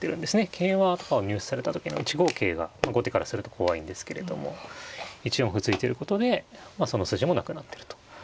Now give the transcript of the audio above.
桂馬とかを入手された時の１五桂が後手からすると怖いんですけれども１四歩突いてることでその筋もなくなってると。